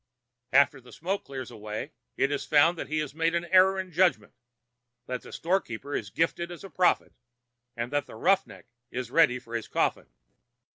After the smoke clears away it is found that he has made an error of judgment, that the storekeeper is gifted as a prophet, and that the 'roughneck' is ready for his coffin.